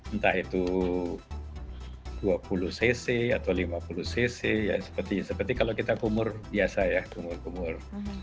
entah itu dua puluh cc atau lima puluh cc ya sepertinya seperti kalau kita kumur biasa ya kumur kumur